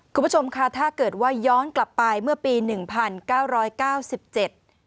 คุณผู้ชมค่ะถ้าเกิดว่าย้อนกลับไปเมื่อปีหนึ่งพันเก้าร้อยเก้าสิบเจ็ด